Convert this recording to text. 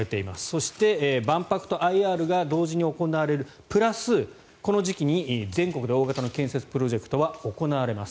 そして、万博とＩＲが同時に行われるプラスこの時期に全国で大型の建設プロジェクトが行われます。